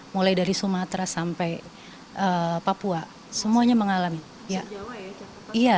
mulai dari sumatera sampai papua semuanya mengalami